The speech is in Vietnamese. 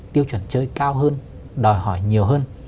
tiêu chuẩn chơi cao hơn đòi hỏi nhiều hơn